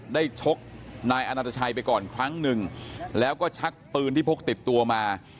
ชกนายอนันตชัยไปก่อนครั้งหนึ่งแล้วก็ชักปืนที่พกติดตัวมา